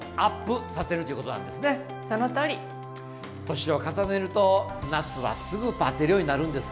年を重ねると夏はすぐばてるようになるんです。